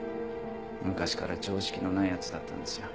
昔から常識のない奴だったんですよ。